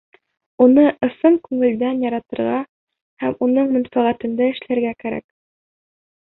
Уны ысын күңелдән яратырға һәм уның мәнфәғәтендә эшләргә кәрәк.